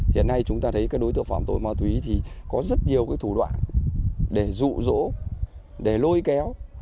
hiện nay chúng ta thấy các đối tượng phạm tội ma túy thì có rất nhiều cái thủ đoạn để dụ dỗ để lôi kéo